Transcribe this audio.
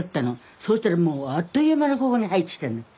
そうしたらもうあっという間にここに生えてきたの。